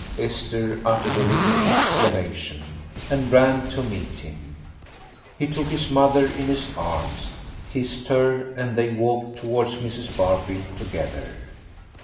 Esther uttered a little exclamation, and ran to meet him. He took his mother in his arms, kissed her, and they walked towards Mrs. Barfield together.